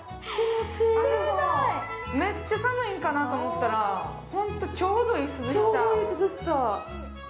めっちゃ寒いんかなと思ったらホントちょうどいい涼しさ。